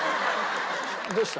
どうした？